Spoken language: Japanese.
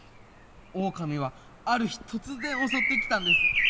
オオカミはある日突然襲ってきたんです。